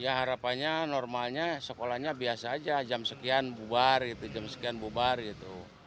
ya harapannya normalnya sekolahnya biasa aja jam sekian bubar gitu jam sekian bubar gitu